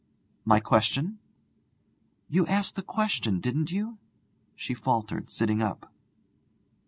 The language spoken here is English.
'My question?' 'You asked a question, didn't you?' she faltered, sitting up.